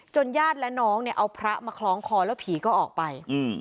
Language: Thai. ญาติและน้องเนี่ยเอาพระมาคล้องคอแล้วผีก็ออกไป